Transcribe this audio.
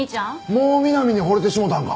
もうみなみに惚れてしもたんか。